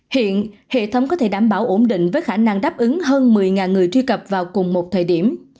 hiện hệ thống có thể đảm bảo ổn định với khả năng đáp ứng hơn một mươi người truy cập vào cùng một thời điểm